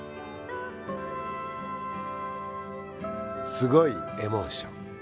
「すごいエモーション」。